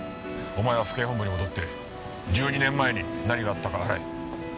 お前は府警本部に戻って１２年前に何があったか洗え。